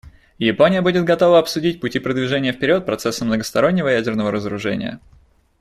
Япония будет готова обсудить пути продвижения вперед процесса многостороннего ядерного разоружения.